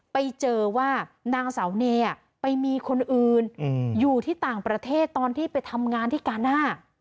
ไปเจอว่านางสาวเนไปมีคนอื่นอยู่ที่ต่างประเทศตอนที่ไปทำงานที่กาน่า